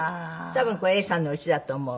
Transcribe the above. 多分これ永さんの家だと思う。